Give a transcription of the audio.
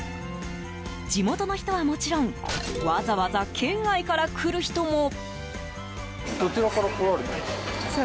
地元の人はもちろんわざわざ県外から来る人も。